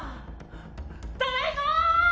ただいま！